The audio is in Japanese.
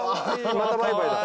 また「バイバイ」だ。